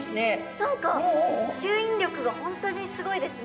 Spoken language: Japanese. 何か吸引力が本当にすごいですね。